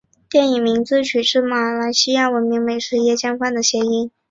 电影名字取自马来西亚闻名美食椰浆饭的谐音。